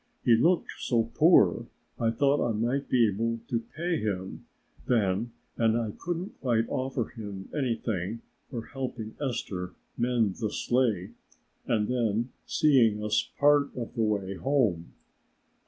He looked so poor I thought I might be able to pay him then and I couldn't quite offer him anything for helping Esther mend the sleigh and then seeing us part of the way home.